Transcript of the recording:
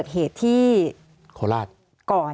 สวัสดีครับทุกคน